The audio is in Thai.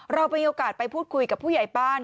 เรามีโอกาสไปพูดคุยกับผู้ใหญ่บ้าน